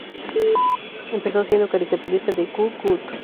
Empezó siendo caricaturista de "¡Cu-Cut!